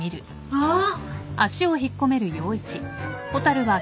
あっ。